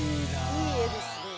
いい絵ですねえ。